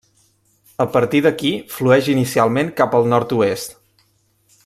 A partir d'aquí flueix inicialment cap al nord-oest.